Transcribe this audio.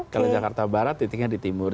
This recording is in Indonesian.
kalau jakarta barat titiknya di timur